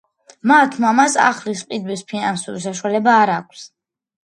მათ მამას ახლის ყიდვის ფინანსური საშუალება არ აქვს.